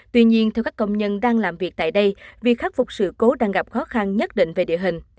tuy nhiên theo các công nhân đang làm việc tại đây việc khắc phục sự cố đang gặp khó khăn nhất định về địa hình